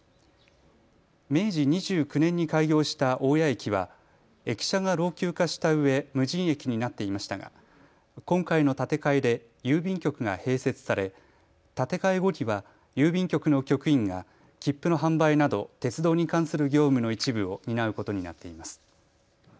明治２９年に開業した大屋駅は駅舎が老朽化したうえ無人駅になっていましたが今回の建て替えで郵便局が併設され建て替え後には郵便局の局員が切符の販売など鉄道に関する業務の一部を担うことになっています。